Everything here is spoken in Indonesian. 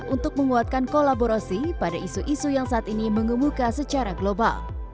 untuk menguatkan kolaborasi pada isu isu yang saat ini mengemuka secara global